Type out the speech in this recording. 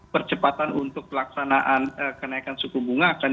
percepatan untuk pelaksanaan kenaikan suku bunga akan semakin memungkinkan lagi